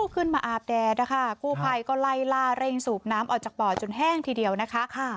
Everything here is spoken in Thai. ขึ้นมาอาบแดดนะคะกู้ภัยก็ไล่ล่าเร่งสูบน้ำออกจากบ่อจนแห้งทีเดียวนะคะ